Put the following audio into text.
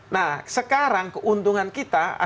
nah sekarang keuntungan kita